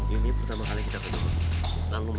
ini pertama kali kita ketemu